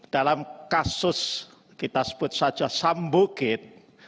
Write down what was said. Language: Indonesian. dalam kasus kita sebut saja sambukit